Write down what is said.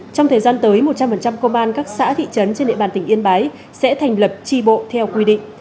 trong thời gian tới một trăm linh công an các xã thị trấn trên địa bàn tỉnh yên bái sẽ thành lập tri bộ theo quy định